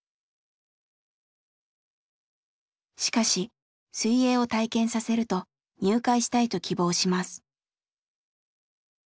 しかし水泳を体験させると入会したいと希望します。